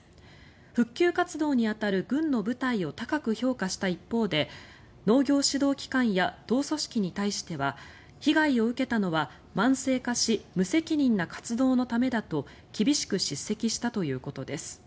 復旧活動に当たる軍の部隊を高く評価した一方で農業指導機関や党組織に対しては被害を受けたのは慢性化し無責任な活動のためだと厳しく叱責したということです。